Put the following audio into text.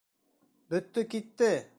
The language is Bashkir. Бөттө китте!